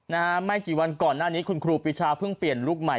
นะฮะไม่กี่วันก่อนหน้านี้คุณครูปีชาเพิ่งเปลี่ยนลุคใหม่